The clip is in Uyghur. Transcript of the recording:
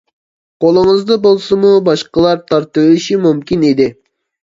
قولىڭىزدا بولسىمۇ باشقىلار تارتىۋېلىشى مۇمكىن ئىدى.